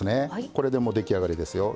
これでもう出来上がりですよ。